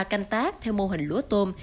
canh tác theo mô hình lúa tôm